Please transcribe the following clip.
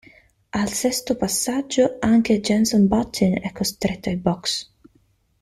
Al sesto passaggio anche Jenson Button è costretto ai box.